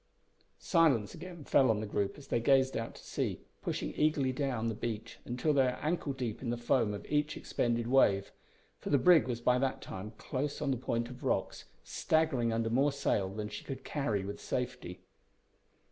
Silence again fell on the group as they gazed out to sea, pushing eagerly down the beach until they were ankle deep in the foam of each expended wave; for the brig was by that time close on the point of rocks, staggering under more sail than she could carry with safety.